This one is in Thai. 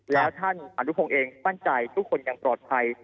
แล้วท่านอนุพงศ์เองมั่นใจทุกคนยังปลอดภัย